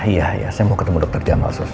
iya saya mau ketemu dokter jamal